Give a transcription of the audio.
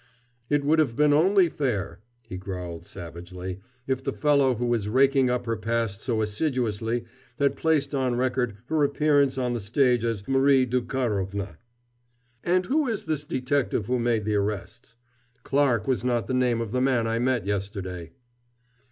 "It would have been only fair," he growled savagely, "if the fellow who is raking up her past so assiduously had placed on record her appearance on the stage as Marie Dukarovna. And who is this detective who made the arrests? Clarke was not the name of the man I met yesterday."